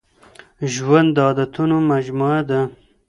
ژوند د عادتونو مجموعه ده.